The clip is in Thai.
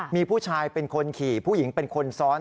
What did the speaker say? มีผู้ชายเป็นคนขี่ผู้หญิงเป็นคนซ้อน